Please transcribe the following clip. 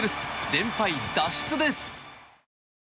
連敗脱出です。